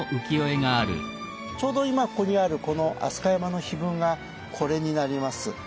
ちょうど今ここにあるこの飛鳥山の碑文がこれになります。